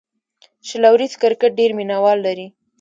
شل اوریز کرکټ ډېر مینه وال لري.